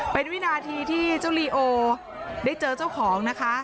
เป็นวินาทีที่เจ้าลีโอได้เจอเจ้าของนะคะ